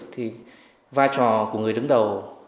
thì vai trò của người đứng đầu